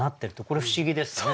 これは不思議ですね。